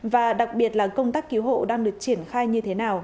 và đặc biệt là công tác cứu hộ đang được triển khai như thế nào